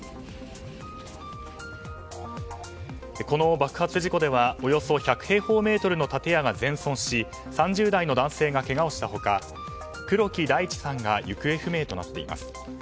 この爆発事故では、およそ１００平方メートルの建屋が全損し３０代の男性がけがをしたほか黒木大地さんが行方不明となっています。